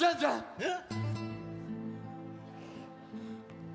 えっ！